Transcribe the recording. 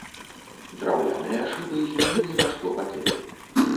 Драўляныя шыбы змянілі на шклопакеты.